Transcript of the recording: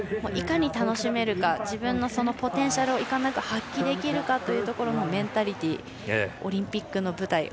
いかに楽しめるか自分のポテンシャルをいかんなく発揮できるかというメンタリティーオリンピックの舞台